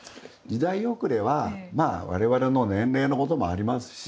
時代遅れはわれわれの年齢のこともありますし。